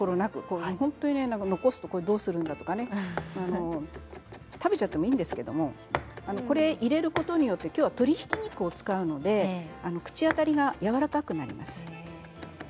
残すとそれどうするんだとかね食べちゃってもいいんですけれど、これを入れることによってきょうは鶏ひき肉を使うので口当たりがやわらかくなります。